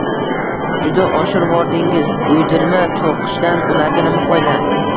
-Juda oshirvordingiz. Uydirma to’qishdan ularga nima foyda?